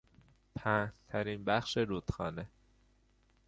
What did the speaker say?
پهنترین بخش رودخانه